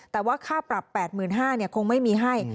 แต่ว่าค่าปรับ๘๕๐๐บาทคงไม่มีให้